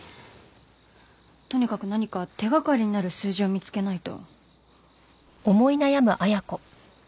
とにかく何か手掛かりになる数字を見つけないと。